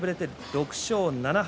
６勝７敗。